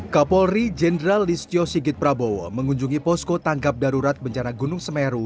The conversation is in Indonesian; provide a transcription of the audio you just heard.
kapolri jenderal listio sigit prabowo mengunjungi posko tanggap darurat bencana gunung semeru